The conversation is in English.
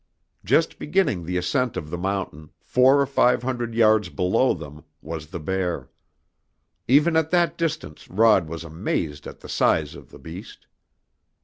Just beginning the ascent of the mountain, four or five hundred yards below them, was the bear. Even at that distance Rod was amazed at the size of the beast.